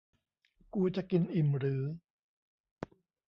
กูจะกินอิ่มหรือ